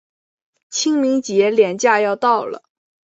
清明节连假要到了